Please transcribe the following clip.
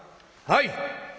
「はい！」。